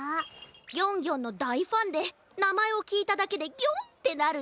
ギョンギョンのだいファンでなまえをきいただけでギョン！ってなるんだ。